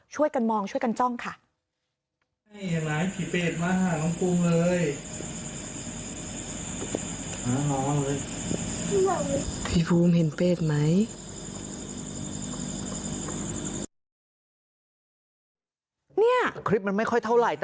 ช่วยกันมองช่วยกันจ้องค่ะ